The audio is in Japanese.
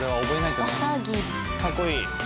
かっこいい。